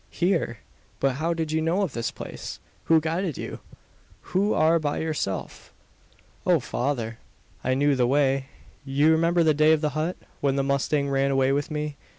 "Here! But how did you know of this place? Who guided you? You are by yourself!" "Oh, father! I knew the way. You remember the day of the hunt when the mustang ran away with me.